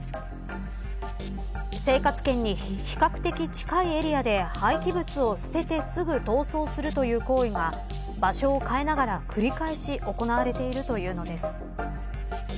生活圏に比較的近いエリアで廃棄物を捨ててすぐ逃走するという行為が場所を変えながら、繰り返し行われているというのです。